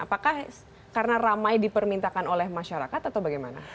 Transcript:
apakah karena ramai dipermintakan oleh masyarakat atau bagaimana